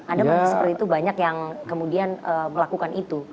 anda mungkin seperti itu banyak yang kemudian melakukan itu